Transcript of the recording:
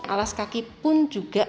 alas kaki pun juga